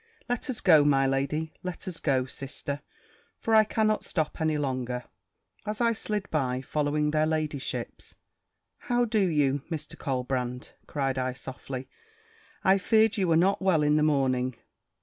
"Let us go, my lady; let us go, sister, for I cannot stop any longer!" As I slid by, following their ladyships "How do you, Mr. Colbrand?" said I softly: "I feared you were not well in the morning."